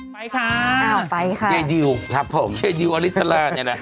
ไปค่ะอ้าวไปค่ะยายดิวครับผมเยดิวอลิสลาเนี่ยนะ